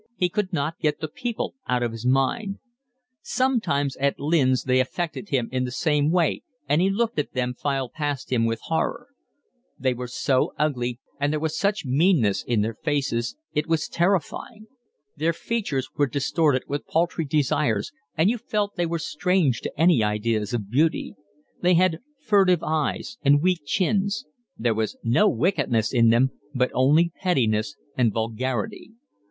He could not get the people out of his mind. Sometimes at Lynn's they affected him in the same way, and he looked at them file past him with horror; they were so ugly and there was such meanness in their faces, it was terrifying; their features were distorted with paltry desires, and you felt they were strange to any ideas of beauty. They had furtive eyes and weak chins. There was no wickedness in them, but only pettiness and vulgarity.